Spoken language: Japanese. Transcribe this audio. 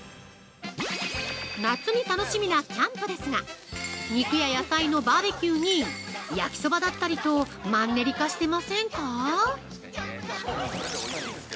夏に楽しみなキャンプですが肉や野菜のバーベキューに焼きそばだったりとマンネリ化してませんか？